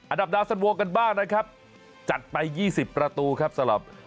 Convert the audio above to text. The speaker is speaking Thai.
อันดับดาวสันโวกันบ้างนะครับจัดไป๒๐ประตูครับสำหรับ